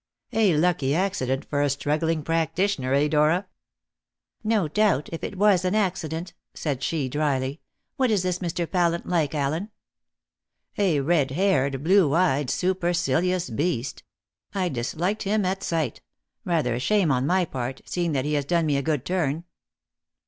A lucky accident for a struggling practitioner, eh, Dora?" "No doubt if it was an accident," said she dryly. "What is this Mr. Pallant like, Allen?" "A red haired, blue eyed, supercilious beast. I disliked him at sight. Rather a shame on my part, seeing that he has done me a good turn."